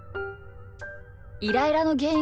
イライラのげん